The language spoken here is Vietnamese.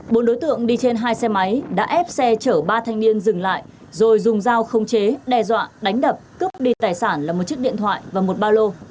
bốn đối tượng đi trên hai xe máy đã ép xe chở ba thanh niên dừng lại rồi dùng dao không chế đe dọa đánh đập cướp đi tài sản là một chiếc điện thoại và một ba lô